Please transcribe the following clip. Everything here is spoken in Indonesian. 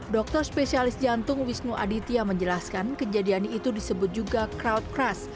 dokter spesialis jantung wisnu aditya menjelaskan kejadian itu disebut juga crowd crass